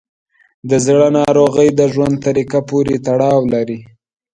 د زړه ناروغۍ د ژوند طریقه پورې تړاو لري.